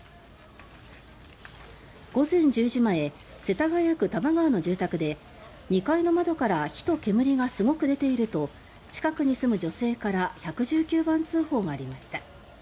午前１０時前世田谷区玉川の住宅で「２階の窓から火と煙がすごく出ている」と近くに住む女性から１１９番通報がありました。